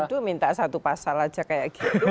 aduh minta satu pasal aja kayak gitu